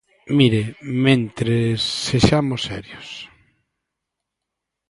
Mire, mentres, sexamos serios.